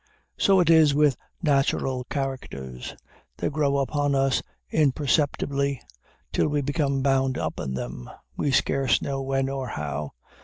So it is with natural characters. They grow upon us imperceptibly, till we become bound up in them, we scarce know when or how.